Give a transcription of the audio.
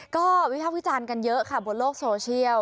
ก็วิภาควิจารณ์กันเยอะค่ะบนโลกโซเชียล